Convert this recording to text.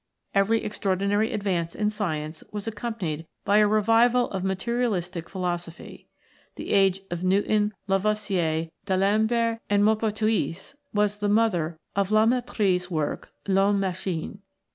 Every extraordinary advance in Science was accompanied by a revival of materialistic philo sophy. The age of Newton, Lavoisier, D'Alembert, and Maupertuis was the mother of La Mettrie's work L'Homme Machine.